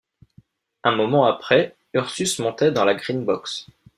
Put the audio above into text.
Un moment après, Ursus montait dans la Green-Box.